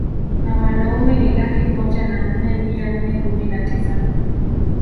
Na wanaume ni laki moja na nne mia nne kumi na tisa